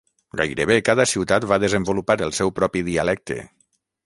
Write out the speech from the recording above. Gairebé cada ciutat va desenvolupar el seu propi dialecte.